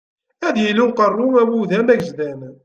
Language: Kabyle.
Ad yili uqerru awudam agejdan.